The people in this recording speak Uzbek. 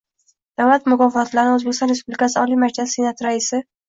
Davlat mukofotlarini O'zbekiston Respublikasi Oliy Majlisi Senati Raisi T